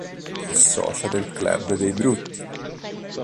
È socia del Club dei brutti.